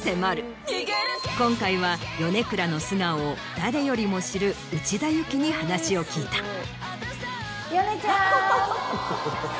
今回は米倉の素顔を誰よりも知る内田有紀に話を聞いた。